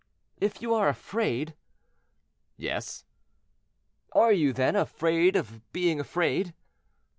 "If you are afraid?" "Yes." "Are you, then, afraid of being afraid?"